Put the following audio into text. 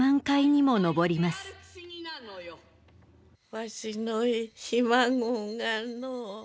「わしのひ孫がのう」。